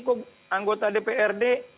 kok anggota dprd